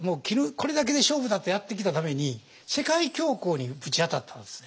これだけで勝負だとやってきたために世界恐慌にぶち当たったんですね。